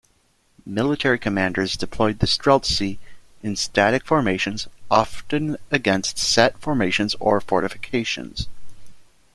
Military commanders deployed the streltsy in static formations, often against set formations or fortifications.